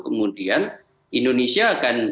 kemudian indonesia akan